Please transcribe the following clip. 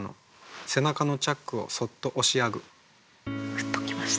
グッときました。